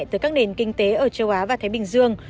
từ các nền kinh tế ở châu á và thái bình dương